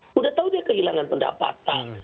sudah tahu dia kehilangan pendapatan